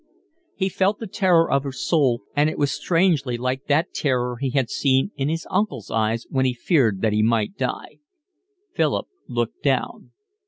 He felt the terror of her soul, and it was strangely like that terror he had seen in his uncle's eyes when he feared that he might die. Philip looked down.